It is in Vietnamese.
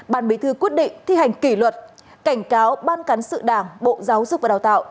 ban bí thư quyết định thi hành kỷ luật cảnh cáo ban cán sự đảng bộ giáo dục và đào tạo